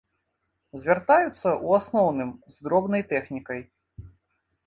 Звяртаюцца, у асноўным, з дробнай тэхнікай.